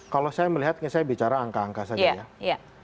kalau saya melihat saya bicara angka angka saja ya